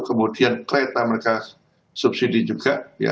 kemudian kereta mereka subsidi juga